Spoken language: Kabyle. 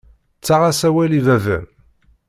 Ttaɣ-as awal i baba-m.